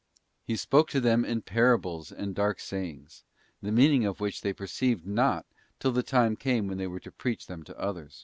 He spoke to them in parables and dark sayings, the meaning of which they perceived not till the time came when they were to preach them to others.